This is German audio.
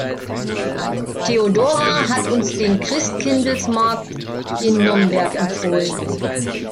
Theodora hat uns den Christkindlesmarkt in Nürnberg empfohlen.